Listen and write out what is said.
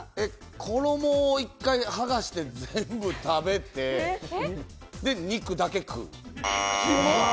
衣を１回剥がして全部食べて、肉だけ食う。